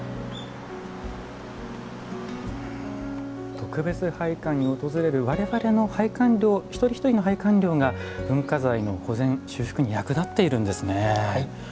特別拝観に訪れる一人一人の拝観料が文化財の保全、修復に役立っているんですね。